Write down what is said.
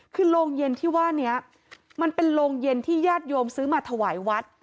คือโรงเย็นที่ว่านี้มันเป็นโรงเย็นที่ญาติโยมซื้อมาถวายวัด